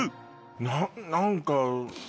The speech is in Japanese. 何か。